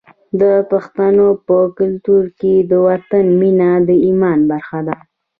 د پښتنو په کلتور کې د وطن مینه د ایمان برخه ده.